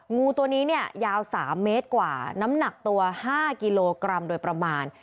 งูตัวนี้เนี่ยยาว๓เมตรกว่าน้ำหนักตัว๕กิโลกรัมโดยประมาณ